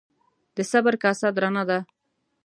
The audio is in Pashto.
د صبر کاسه درنه ده.